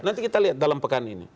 nanti kita lihat dalam pekan ini